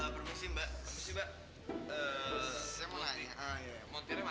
permisi mbak permisi mbak